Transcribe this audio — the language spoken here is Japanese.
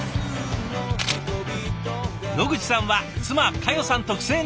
野口さんは妻佳代さん特製のおにぎらず。